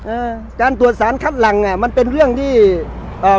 อ่าการตรวจสารคัดหลังเนี้ยมันเป็นเรื่องที่เอ่อ